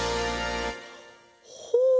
ほう！